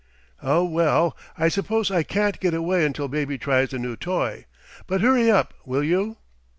"Oh, well! I suppose I can't get away until baby tries the new toy. But hurry up, will you?"